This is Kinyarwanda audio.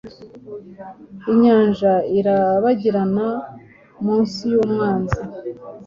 inyanja irabagirana munsi yumwanzi